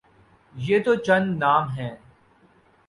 یہ تو چند نام ہیں۔